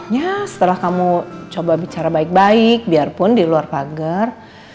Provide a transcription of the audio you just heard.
ya setelah kamu coba bicara baik baik biarpun di luar pagar